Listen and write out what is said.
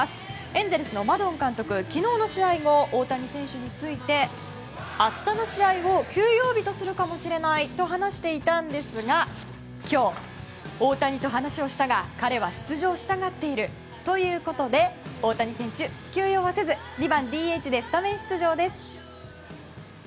エンゼルスのマドン監督は昨日の試合後大谷選手について、明日の試合を休養日とするかもしれないと話していたんですが今日、大谷と話をしたが彼は出場したがっているということで大谷選手、休養はせず２番ＤＨでスタメン出場です。